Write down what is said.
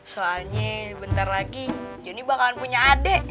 soalnya bentar lagi jonny bakalan punya adek